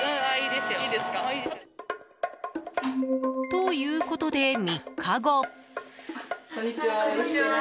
ということで、３日後。